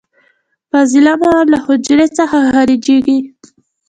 فاضله مواد له حجرې څخه خارجیږي.